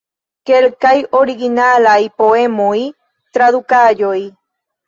Kelkaj originalaj poemoj, tradukaĵoj.